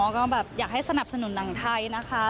ก็แบบอยากให้สนับสนุนหนังไทยนะคะ